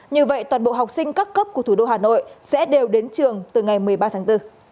như vậy toàn bộ học sinh các cấp của thủ đô hà nội sẽ đều đến trường từ ngày một mươi ba tháng bốn